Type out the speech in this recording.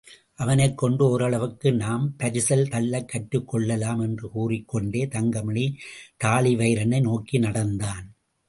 அவனைக்கொண்டு ஓரளவுக்கு நாம் பரிசல் தள்ளக் கற்றுக்கொள்ளலாம் என்று கூறிக்கொண்டே தங்கமணி தாழிவயிறனை நோக்கி நடந்தான்.